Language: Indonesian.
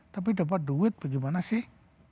tapi dapat duit bagaimana sih